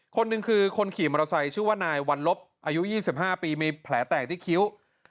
คนหนึ่งคือคนขี่มอเตอร์ไซค์ชื่อว่านายวันลบอายุ๒๕ปีมีแผลแตกที่คิ้ว